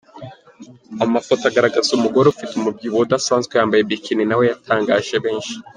Amafoto agaragaza umugore ufite umubyibuho udasanzwe yambaye Bikini nawe yatangaje benshi .